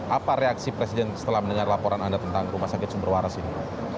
apa reaksi presiden setelah mendengar laporan anda tentang rumah sakit sumber waras ini